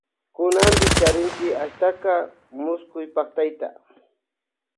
Kunanpi charinchi achka mushukpaktayta.